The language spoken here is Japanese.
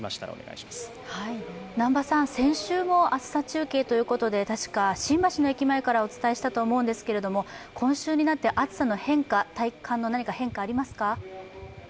先週も暑さ中継ということで確か新橋の駅前からお伝えしたと思うんですけれども今週になって暑さの体感の変化は何かありますか？